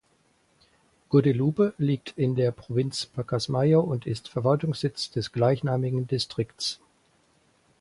Guadalupe liegt in der Provinz Pacasmayo und ist Verwaltungssitz des gleichnamigen Distrikts.